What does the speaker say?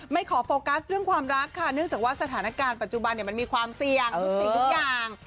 ขอโฟกัสเรื่องความรักค่ะเนื่องจากว่าสถานการณ์ปัจจุบันมันมีความเสี่ยงทุกสิ่งทุกอย่าง